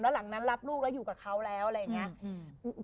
หลังนั้นรับลูกแล้วอยู่กับเขาแล้วอะไรอย่างนี้